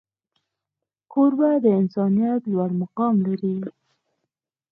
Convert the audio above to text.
کوربه د انسانیت لوړ مقام لري.